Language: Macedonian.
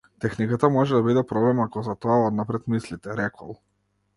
Техниката може да биде проблем ако за тоа однапред мислите, рекол.